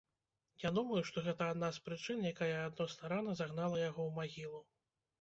Я думаю, што гэта адна з прычын, якая адносна рана загнала яго ў магілу.